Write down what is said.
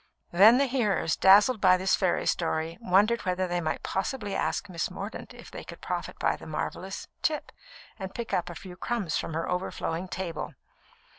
Then the hearers, dazzled by this fairy story, wondered whether they might possibly ask Miss Mordaunt if they could profit by the marvellous "tip," and pick up a few crumbs from her overflowing table.